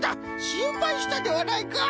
しんぱいしたではないか！」。